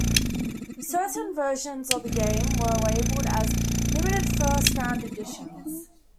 Certain versions of the game were labeled as "Limited First Round Editions".